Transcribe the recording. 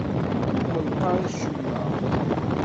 Ur ɣellqeɣ acemma.